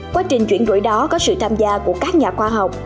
quá trình chuyển đổi đó có sự tham gia của các nhà khoa học